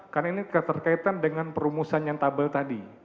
karena ini terkaitan dengan perumusan yang tabel tadi